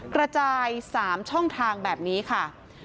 กระจาย๓ช่องทางแบบนี้ค่ะ